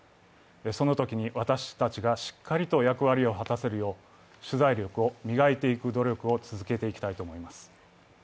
そのときに私たちがしっかりと役割を果たせるよう取材力を磨いていく努力を続けていきたいと思います。